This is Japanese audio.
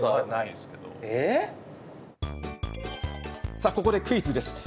さあ、ここでクイズです。